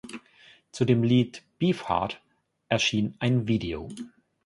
Zu dem Lied "Beefheart" erschien ein Video.